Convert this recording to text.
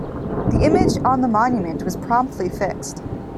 The image on the monument was promptly fixed.